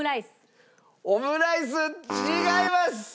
オムライス違います。